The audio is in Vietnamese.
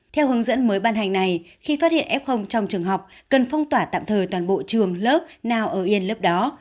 theo hướng dẫn mới ban hành này khi phát hiện f trong trường học cần phong tỏa tạm thời toàn bộ trường lớp nào ở yên lớp đó